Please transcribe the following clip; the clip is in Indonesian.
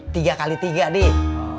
tiga kali tiga dih